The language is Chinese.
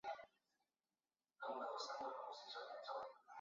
硝酸酯也是一类药物。